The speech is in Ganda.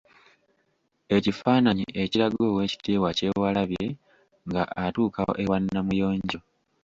Ekifaananyi ekiraga Oweekitiibwa Kyewalabye nga atuuka ewa Namuyonjo.